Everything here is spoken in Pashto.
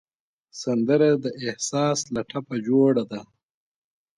سندره د احساس له ټپه جوړه ده